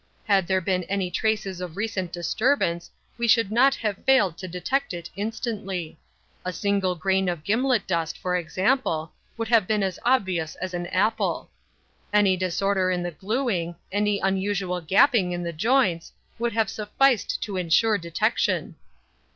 Had there been any traces of recent disturbance we should not have failed to detect it instantly. A single grain of gimlet dust, for example, would have been as obvious as an apple. Any disorder in the glueing—any unusual gaping in the joints—would have sufficed to insure detection."